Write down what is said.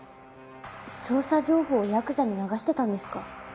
捜査情報をヤクザに流していたんですか？